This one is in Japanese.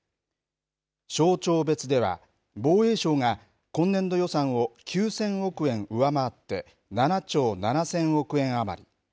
省庁別では、防衛省が、今年度予算を９０００億円上回って７兆７０００億円余り。